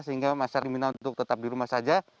sehingga masyarakat di minum untuk tetap di rumah saja